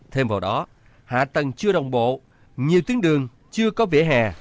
thêm vào đó hạ tầng chưa đồng bộ nhiều tuyến đường chưa có vỉa hè